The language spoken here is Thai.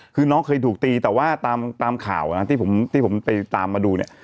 คือน้องเคยถูกตีแต่ว่าตามข่าวนะที่ผมที่ผมไปตามมาดูเนี่ย